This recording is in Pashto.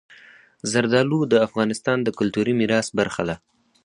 زردالو د افغانستان د کلتوري میراث برخه ده.